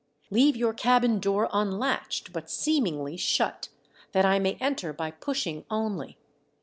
Leave your cabin door unlatched, but seemingly shut, that I may enter by pushing only.